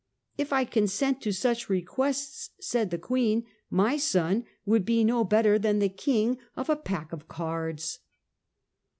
' If I consent to such requests,* said the Queen, 'my son would be no better than the King of a pack of cards.